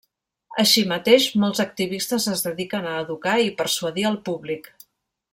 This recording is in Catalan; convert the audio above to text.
Així mateix molts activistes es dediquen a educar i persuadir al públic.